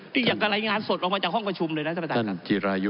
พี่ทักนุ้ย